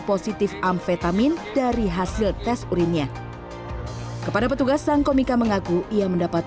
positif amfetamin dari hasil tes urinnya kepada petugas sang komika mengaku ia mendapat